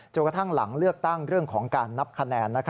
กระทั่งหลังเลือกตั้งเรื่องของการนับคะแนน